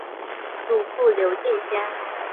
祖父刘敬先。